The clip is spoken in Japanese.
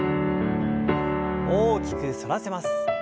大きく反らせます。